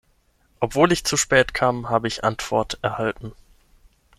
Obwohl ich zu spät kam, habe ich Antwort erhalten.